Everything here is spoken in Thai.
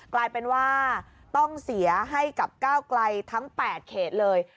กลายเป็นว่าต้องเสียให้กับก้าวไกลทั้ง๘เขตเลย